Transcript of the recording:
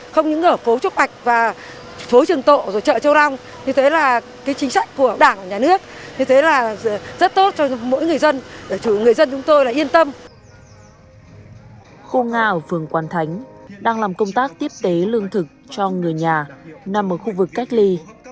khu ngà ở phường quán thánh đang làm công tác tiếp tế lương thực cho người nhà nằm ở khu vực cách ly